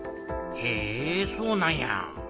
へえそうなんや。